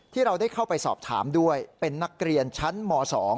ที่เราได้เข้าไปสอบถามด้วยเป็นนักเรียนชั้นม๒